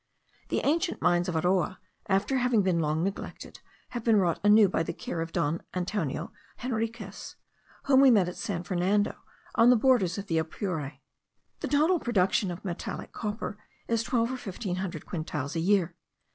The ancient mines of Aroa, after having been long neglected, have been wrought anew by the care of Don Antonio Henriquez, whom we met at San Fernando on the borders of the Apure. The total produce of metallic copper is twelve or fifteen hundred quintals a year.